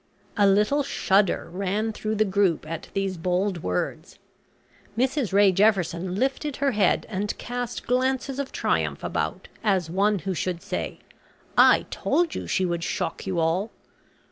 A little shudder ran through the group at these bold words. Mrs Ray Jefferson lifted her head and cast glances of triumph about, as one who should say, "I told you she would shock you all!"